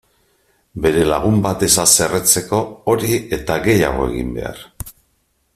Bere lagunen bat ez haserretzeko hori eta gehiago egin behar!